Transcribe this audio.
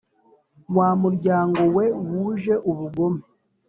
wa muryango we wuje ubugome,